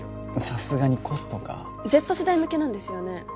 さすがにコストがＺ世代向けなんですよね？